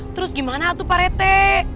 terus gimana tuh pak rete